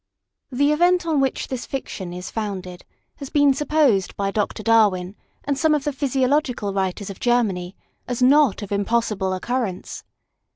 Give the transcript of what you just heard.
THE event on which this fiction is founded has been supposed, by Dr. Darwin, and some of the physiological writers of Germany, as not of impossible occurrence.